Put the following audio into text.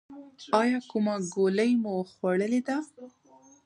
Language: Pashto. ایا کومه ګولۍ مو خوړلې ده؟